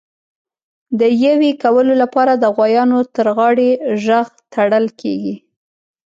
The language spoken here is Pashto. د یویې کولو لپاره د غوایانو تر غاړي ژغ تړل کېږي.